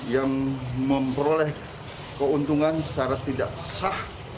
yang memperoleh keuntungan secara tidak sah